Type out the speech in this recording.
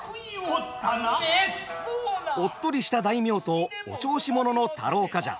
おっとりした大名とお調子者の太郎冠者。